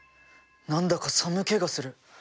何だか寒気がする。